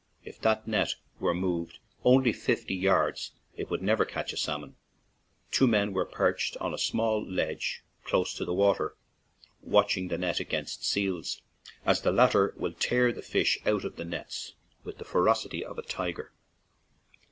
If that net were moved out fifty yards it would never catch a salmon/' Two men were perched on a small ledge close to the water, watching the net against seals, as the latter will tear the fish out of the nets with the ferocity of a tiger.